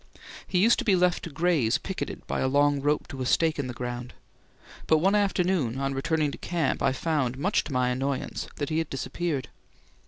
He used to be left to graze picketed by a long rope to a stake in the ground; but one afternoon on returning to camp I found, much to my annoyance, that he had disappeared.